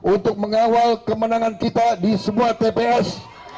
untuk mengawal kemenangan kita di semua tps